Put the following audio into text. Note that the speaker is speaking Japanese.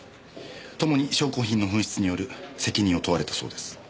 ともに証拠品の紛失による責任を問われたそうです。